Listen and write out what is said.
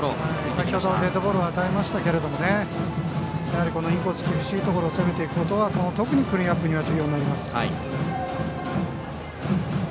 先程、デッドボールを与えましたけどインコース、厳しいところを攻めていくことは特にクリーンナップには重要になります。